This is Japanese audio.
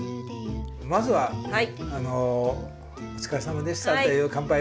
まずはお疲れさまでしたという乾杯を。